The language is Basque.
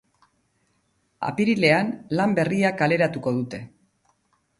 Apirilean lan berria kaleratuko dute.